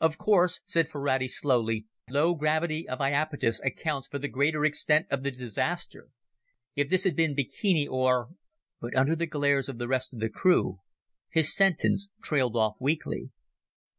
"Of course," said Ferrati slowly, "the low gravity of Iapetus accounts for the greater extent of the disaster. If this had been Bikini or...." But under the glares of the rest of the crew, his sentence trailed off weakly.